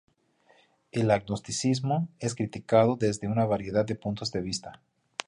El agnosticismo es criticado desde una variedad de puntos de vista.